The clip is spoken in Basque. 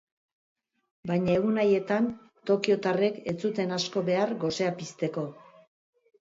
Baina egun haietan tokiotarrek ez zuten asko behar gosea pizteko.